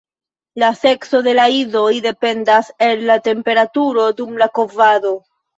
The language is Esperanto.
La sekso de la idoj dependas el la temperaturo dum la kovado.